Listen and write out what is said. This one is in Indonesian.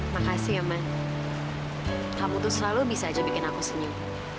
makasih ya mbak kamu tuh selalu bisa aja bikin aku senyum